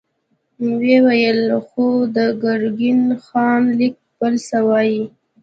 ويې ويل: خو د ګرګين خان ليک بل څه وايي.